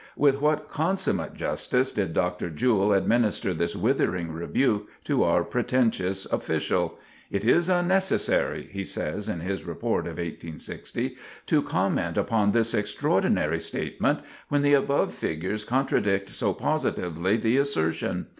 With what consummate justice did Dr. Jewell administer this withering rebuke to our pretentious official. "It is unnecessary," he says, in his report of 1860, "to comment upon this extraordinary statement, when the above figures contradict so positively the assertion.